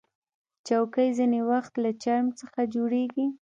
چوکۍ ځینې وخت له چرم څخه جوړیږي.